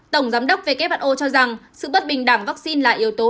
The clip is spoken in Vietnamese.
tổng giám đốc who cho rằng sự bất bình đẳng vaccine là yếu tố